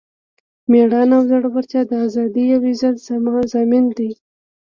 میړانه او زړورتیا د ازادۍ او عزت ضامن دی.